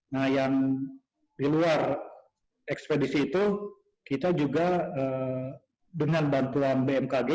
nah yang di luar ekspedisi itu kita juga dengan bantuan bmkg